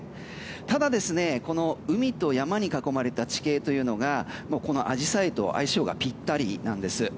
ただ、海と山に囲まれた地形というのがこのアジサイと相性がピッタリなんです。